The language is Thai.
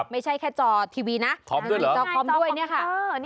ไม่ใช่แค่จอทีวีนะจอคอมด้วยเนี่ยค่ะ